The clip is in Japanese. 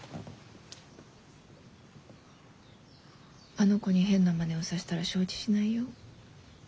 あの子に変な真似をさせたら承知しないよ。